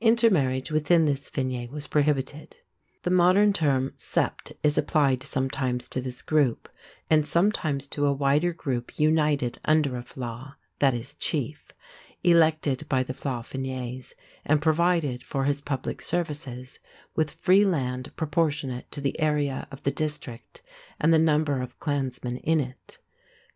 Intermarriage within this fine was prohibited. The modern term "sept" is applied sometimes to this group and sometimes to a wider group united under a flaith (flah) = "chief", elected by the flaithfines and provided, for his public services, with free land proportionate to the area of the district and the number of clansmen in it.